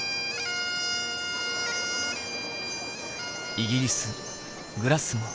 イギリス・グラスゴー。